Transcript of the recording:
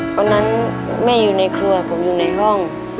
ตอนนั้นแม่อยู่ในครัวผมอยู่ในห้อง